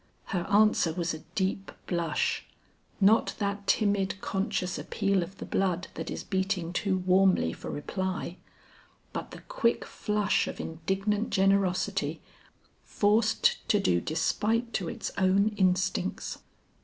Her answer was a deep blush; not that timid conscious appeal of the blood that is beating too warmly for reply, but the quick flush of indignant generosity forced to do despite to its own instincts.